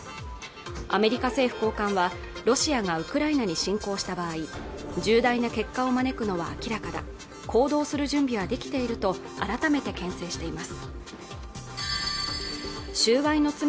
アメリカ政府高官はロシアがウクライナに侵攻した場合重大な結果を招くのは明らかだ行動する準備はできていると改めて牽制しています